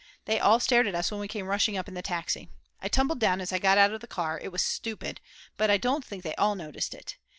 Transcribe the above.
They all stared at us when we came rushing up in the taxi. I tumbled down as I got out of the car, it was stupid; but I don't think they all noticed it.